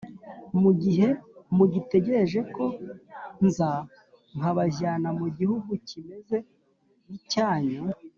, mu gihe mugitegereje ko nza nkabajyana mu gihugu kimeze nk’icyanyu,